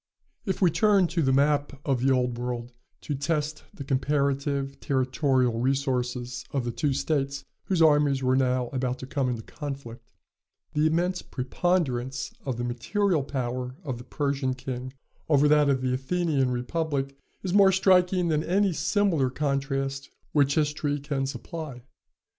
If we turn to the map of the Old World, to test the comparative territorial resources of the two states whose armies were now about to come into conflict, the immense preponderance of the material power of the Persian king over that of the Athenian republic is more striking than any similar contrast which history can supply.